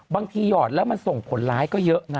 หยอดแล้วมันส่งผลร้ายก็เยอะนะ